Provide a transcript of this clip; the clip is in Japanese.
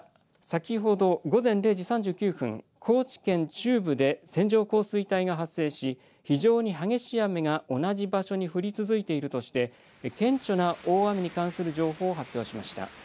なお、気象庁は先ほど午前０時３９分高知県中部で線状降水帯が発生し非常に激しい雨が同じ場所に降り続いているとして顕著な大雨に関する情報を発表しました。